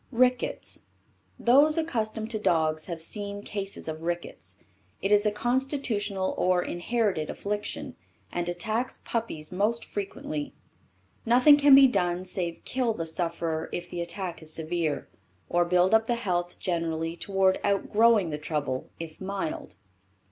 RICKETS. Those accustomed to dogs have seen cases of rickets. It is a constitutional or inherited affliction, and attacks puppies most frequently. Nothing can be done save kill the sufferer if the attack is severe, or build up the health generally, toward outgrowing the trouble, if mild.